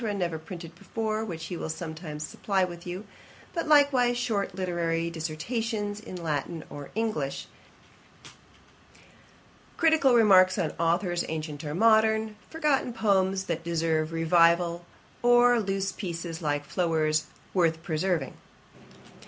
never printed before, which he will sometimes supply you with; but likewise short literary dissertations in Latin or English, critical remarks on authours ancient or modern, forgotten poems that deserve revival, or loose pieces, like Floyer's, worth preserving.